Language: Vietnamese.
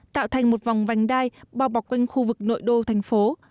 tạo thành một vòng vành đai bao bọc quanh khu vực nội đô thành phố